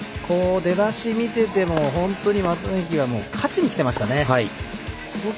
出だし見てても本当に綿貫が勝ちにきてましたね。